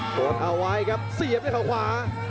กดเอาไว้ครับเสียบด้วยเขาขวา